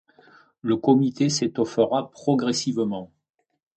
Le comité s'étoffera progressivement.